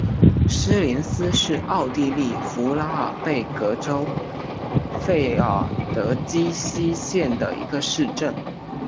施林斯是奥地利福拉尔贝格州费尔德基希县的一个市镇。